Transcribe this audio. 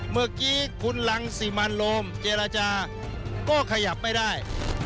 เมื่อกี้คุณรังสิมันโรมเจรจาก็ขยับไม่ได้